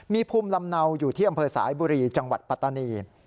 มีภูมิลำเนาอยู่ที่อำเภอสายบุรีจังหวัดปัตตานี